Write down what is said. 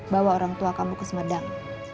bawa orang tua kamu ke sumedang